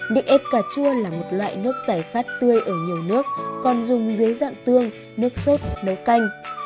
nước ép cà chua là một loại nước giải khát tươi ở nhiều nước còn dùng dưới dạng tương nước sốt nấu canh